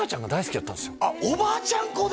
あっおばあちゃん子だ！